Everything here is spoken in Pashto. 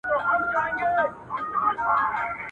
لونگۍ چي د سره ولوېږي، پر اوږو تکيه کېږي.